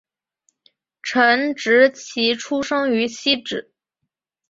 陈植棋出生于汐止